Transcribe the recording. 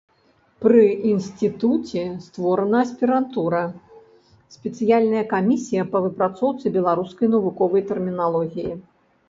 Пры інстытуце створана аспірантура, спецыяльная камісія па выпрацоўцы беларускай навуковай тэрміналогіі.